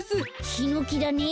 ヒノキだね？